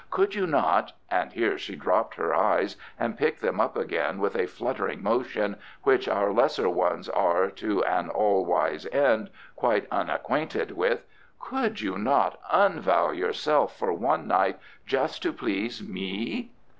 Could you not" and here she dropped her eyes and picked them up again with a fluttering motion which our lesser ones are, to an all wise end, quite unacquainted with "could you not unvow yourself for one night, just to please ME?"